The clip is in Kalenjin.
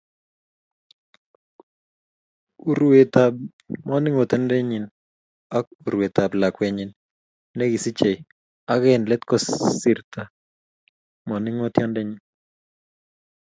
Urewetab manongotiondenyi ak urwetab lakwenyi ne kisichei ak eng let kosirto manogotionyi